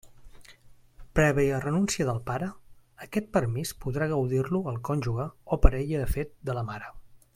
Prèvia renúncia del pare, aquest permís podrà gaudir-lo el cònjuge o parella de fet de la mare.